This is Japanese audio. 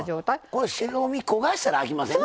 これ白身焦がしたらあきませんな。